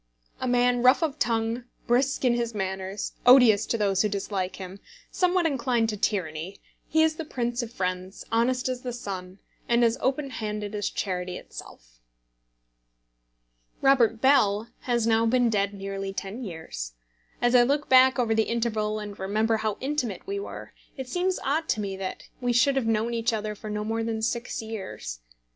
A man rough of tongue, brusque in his manners, odious to those who dislike him, somewhat inclined to tyranny, he is the prince of friends, honest as the sun, and as open handed as Charity itself. [Footnote 6: Alas! within a year of the writing of this he went from us.] Robert Bell has now been dead nearly ten years. As I look back over the interval and remember how intimate we were, it seems odd to me that we should have known each other for no more than six years.